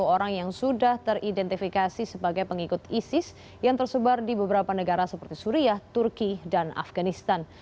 sepuluh orang yang sudah teridentifikasi sebagai pengikut isis yang tersebar di beberapa negara seperti suriah turki dan afganistan